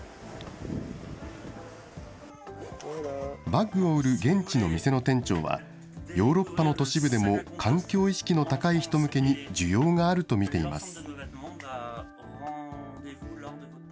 バッグを売る現地の店の店長は、ヨーロッパの都市部でも環境意識の高い人向けに需要があると見ています。